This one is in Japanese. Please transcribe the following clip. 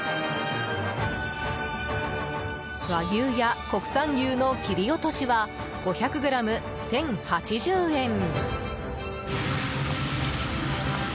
和牛や国産牛の切り落としは５００ｇ、１０８０円。